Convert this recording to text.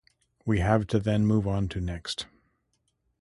We have to then move on to next.